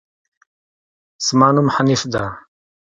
زما نوم حنيف ده